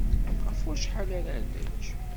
Ɣef wacḥal ara nečč?